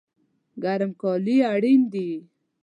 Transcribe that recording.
ګرم کالی اړین دي